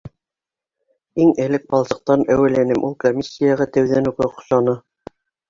Иң элек балсыҡтан әүәләнем, ул комиссияға тәүҙән үк оҡшаны.